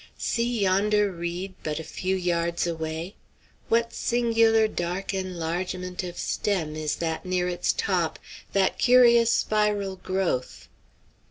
See yonder reed but a few yards away. What singular dark enlargement of stem is that near its top, that curious spiral growth?